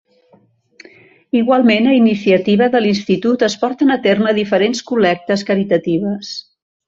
Igualment a iniciativa de l'institut es porten a terme diferents col·lectes caritatives.